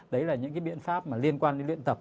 đấy là những cái biện pháp mà liên quan đến luyện tập